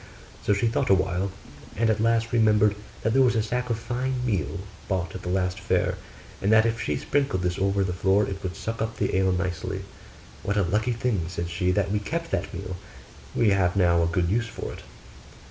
So she thought a while; and at last remembered that there was a sack of fine meal bought at the last fair, and that if she sprinkled this over the floor it would suck up the ale nicely. 'What a lucky thing,' said she, 'that we kept that meal! we have now a good use for it.